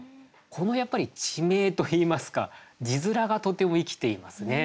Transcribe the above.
このやっぱり地名といいますか字面がとても生きていますね。